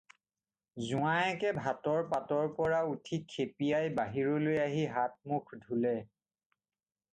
জোঁৱায়েকে ভাতৰ পাতৰ পৰা উঠি খেপিয়াই বাহিৰলৈ আহি হাত মুখ ধুলে।